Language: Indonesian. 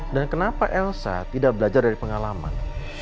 dan kenapa elsa tidak belajar dari pengalaman